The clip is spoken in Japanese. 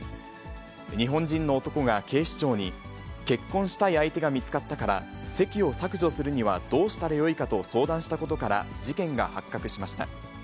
日本人の男が警視庁に、結婚したい相手が見つかったから、籍を削除するにはどうしたらよいかと相談したことから、事件が発覚しました。